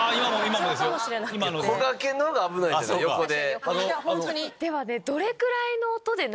横で。